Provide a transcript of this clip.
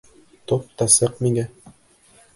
Тот та сыҡ миңә.